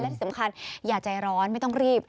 และที่สำคัญอย่าใจร้อนไม่ต้องรีบ